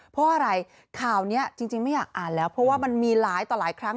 เพราะอะไรข่าวนี้จริงไม่อยากอ่านแล้วเพราะว่ามันมีหลายต่อหลายครั้ง